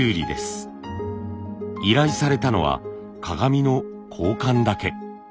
依頼されたのは鏡の交換だけ。